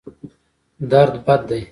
درد بد دی.